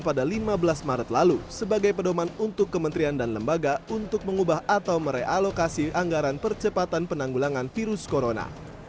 pada lima belas maret lalu sebagai pedoman untuk kementerian dan lembaga untuk mengubah atau merealokasi anggaran percepatan penanggulangan virus corona